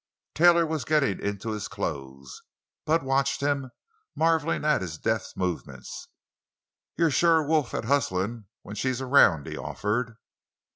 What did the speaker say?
Taylor was getting into his clothes. Bud watched him, marveling at his deft movements. "You're sure a wolf at hustlin' when she's around!" he offered.